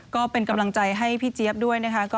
ก็เป็นกำลังใจให้พี่เจี๊ยบด้วยนะคะ